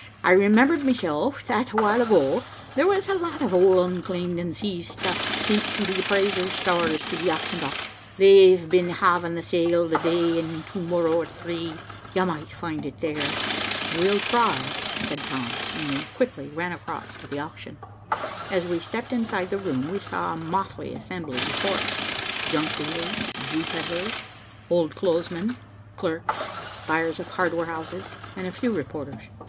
I remembered meself that a while ago, there was a lot of old unclaimed and seized stuff sint to the appraiser's stores to be auctioned off. They've been havin' the sale the day and to morrer at three. You might find it there." "We'll try," said Tom, and we quickly ran across to the auction. As we stepped inside the room, we saw a motley assembly before us, junk dealers, Jew peddlers, old clothes men, clerks, buyers of hardware houses, and a few reporters.